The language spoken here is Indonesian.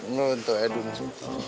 nih ini tuh aduh ini tuh